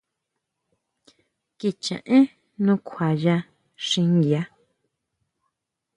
Kicha én nukjuaya xinguia.